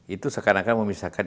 itu seakan akan memisahkan